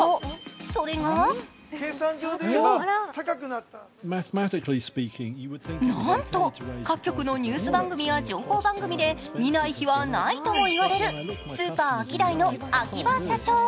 それがなんと、各局のニュース番組や情報番組で見ない日はないといわれるスーパー・アキダイの秋葉社長。